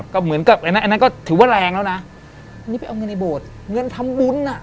ก็เหมือนกับอันนั้นอันนั้นก็ถือว่าแรงแล้วนะอันนี้ไปเอาเงินในโบสถ์เงินทำบุญอ่ะ